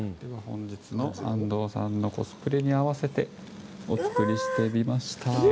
本日の安藤さんのコスプレに合わせてお作りしてみました。